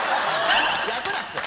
楽なんですよ。